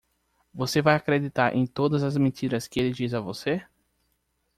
Você vai acreditar em todas as mentiras que ele diz a você?